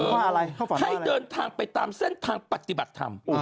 อะไรให้เดินทางไปตามเส้นทางปฏิบัติธรรม